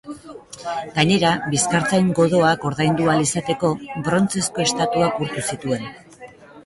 Gainera, bizkartzain godoak ordaindu ahal izateko, brontzezko estatuak urtu zituen.